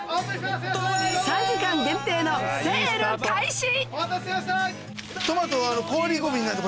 ３時間限定のセール開始！